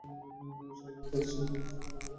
সাওভ্যাজের প্রতিষ্ঠানে হাজার হাজার কর্মচারী আছে।